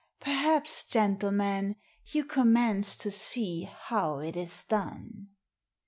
Per l^aps, gentlemen, you commence to see how it is done?"